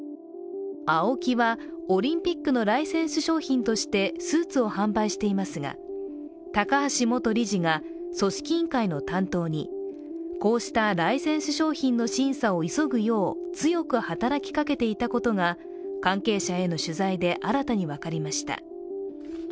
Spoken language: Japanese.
ＡＯＫＩはオリンピックのライセンス商品としてスーツを販売していますが、高橋元理事が、組織委員会の担当にこうしたライセンス商品の審査を急ぐよう強く働きかけていたことが関係者への取材で新たにわかりました。